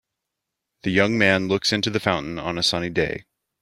The young man looks into the fountain on a sunny day.